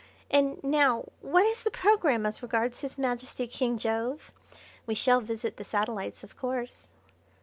And now what is the programme as regards His Majesty King Jove? We shall visit the satellites of course?"